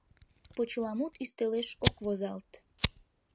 Почеламут ӱстелеш ок возалт.